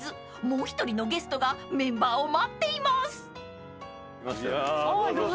［もう一人のゲストがメンバーを待っています］